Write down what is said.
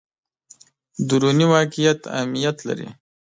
دروني واقعیت اهمیت لري.